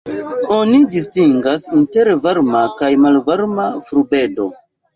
Oni distingas inter varma kaj malvarma frubedo.